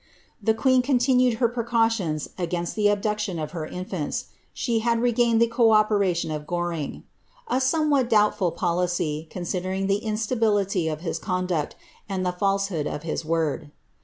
" The queen continued her precautions against the abduction of her iniants. She had regained the co operation of Goring ;" a somewhat doubtful policy, considering the instability of his conduct, and the false hood of his word.